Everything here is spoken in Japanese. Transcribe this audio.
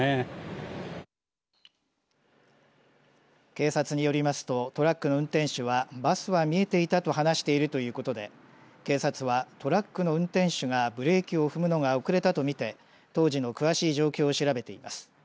警察によりますとトラックの運転手はバスは見えていたと話しているということで警察は、トラックの運転手がブレーキを踏むのが遅れたと見て当時の詳しい状況を調べています。